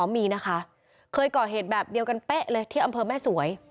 มีนะคะเคยก่อเหตุแบบเดียวกันเป๊ะเลยที่อำเภอแม่สวย